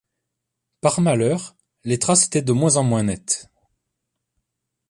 Par malheur les traces étaient de moins en moins nettes.